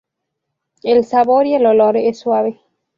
El sabor y el olor es suave.